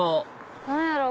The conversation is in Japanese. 何やろう？